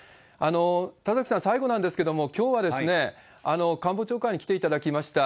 田崎さん、最後なんですけれども、きょうは官房長官に来ていただきました。